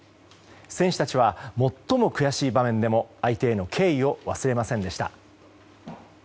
選手たちは最も悔しい場面でも相手への敬意を忘れませんでした。